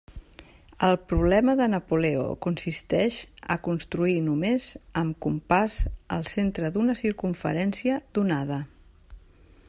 El problema de Napoleó consisteix a construir només amb compàs el centre d'una circumferència donada.